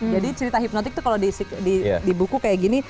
jadi cerita hipnotik itu kalau di buku kayak gini